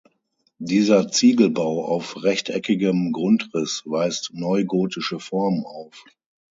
Dieser Ziegelbau auf rechteckigem Grundriss weist neugotische Formen auf.